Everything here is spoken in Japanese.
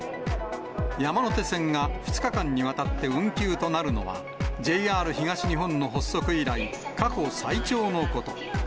山手線が２日間にわたって運休となるのは、ＪＲ東日本の発足以来、過去最長のこと。